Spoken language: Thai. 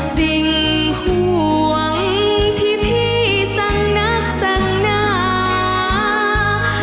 สิ่งห่วงที่พี่สังนักสังนา